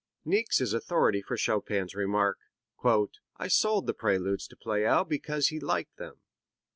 Niecks is authority for Chopin's remark: "I sold the Preludes to Pleyel because he liked them."